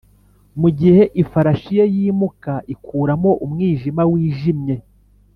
mugihe ifarashi ye yimuka, ikuramo umwijima wijimye,